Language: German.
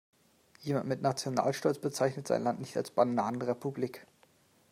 Jemand mit Nationalstolz bezeichnet sein Land nicht als Bananenrepublik.